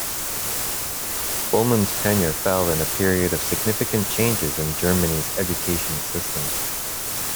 Bulmahn's tenure fell in a period of significant changes in Germany's education system.